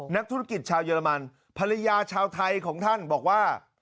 นักธุรกิจชาวเยอรมันภรรยาชาวไทยของท่านบอกว่า